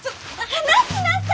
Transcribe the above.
離しなさい！